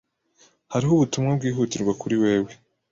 Hariho ubutumwa bwihutirwa kuri wewe.